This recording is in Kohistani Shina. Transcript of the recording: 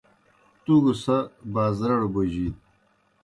تُوْ گہ سہ بازرَڑ بوجِیت۔